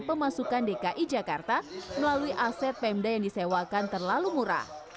pemasukan dki jakarta melalui aset pemda yang disewakan terlalu murah